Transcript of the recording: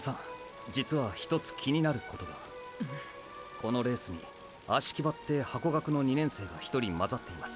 このレースに葦木場ってハコガクの２年生が１人交ざっています。